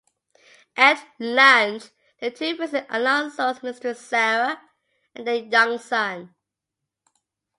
At lunch, the two visit Alonzo's mistress Sara and their young son.